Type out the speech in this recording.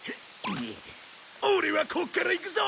オレはここから行くぞ！